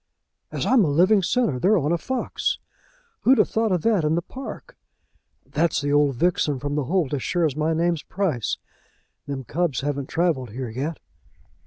As I'm a living sinner, they're on a fox! Who'd have thought of that in the park? That's the old vixen from the holt, as sure as my name's Price. Them cubs haven't travelled here yet."